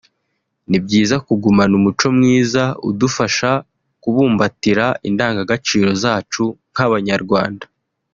ni byiza kugumana umuco mwiza udufasha kubumbatira indangagaciro zacu nk’Abanyarwanda